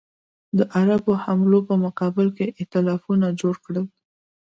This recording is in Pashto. د عربو حملو په مقابل کې ایتلافونه جوړ کړل.